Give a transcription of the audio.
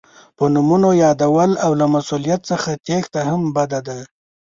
په نومونو یادول او له مسؤلیت څخه تېښته هم بده ده.